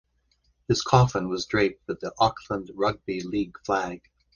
His coffin was draped with the Auckland Rugby League flag.